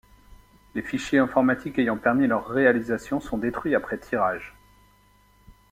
Les fichiers informatiques ayant permis leur réalisation sont détruits après tirage.